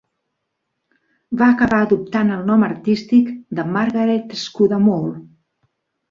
Va acabar adoptant el nom artístic de Margaret Scudamore.